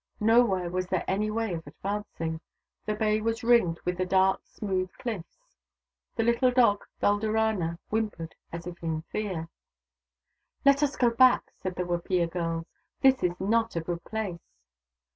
Nowhere was there any way of advancing : the bay was ringed with the dark, smooth cliffs. The little dog Dulderana whimpered as if in fear. " Let us go back !" said the Wapiya girls. " This is not a good place."